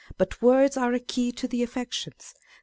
But words are a key to the affections.